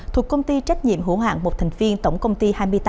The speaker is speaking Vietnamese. thuộc công ty trách nhiệm hữu hạng một thành viên tổng công ty hai mươi tám